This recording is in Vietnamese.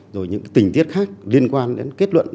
rồi những tình tiết khác liên quan đến kết luận